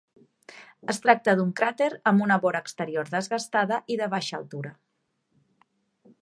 Es tracta d'un cràter amb una vora exterior desgastada i de baixa altura.